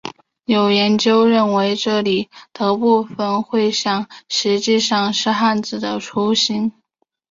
有研究认为这里的部分绘像实际上是汉字的雏形。